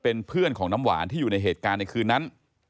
เป็นเพื่อนของน้ำหวานที่อยู่ในเหตุการณ์ในคืนนั้น